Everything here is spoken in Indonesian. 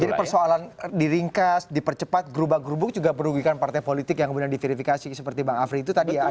jadi persoalan di ringkas dipercepat gerubak gerubuk juga merugikan partai politik yang kemudian diverifikasi seperti bank afri itu tadi ya